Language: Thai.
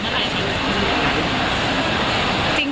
อืมแสดงอะไรค่ะ